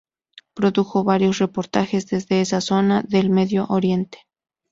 Produjo varios reportajes desde esa zona del Medio Oriente.